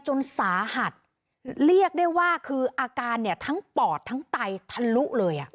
จนสาหัสเรียกได้ว่าคืออาการเนี่ยทั้งปอดทั้งไตทะลุเลย